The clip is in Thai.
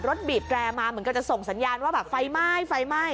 บีบแตรมาเหมือนกับจะส่งสัญญาณว่าแบบไฟไหม้ไฟไหม้